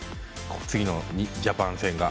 次のジャパン戦が。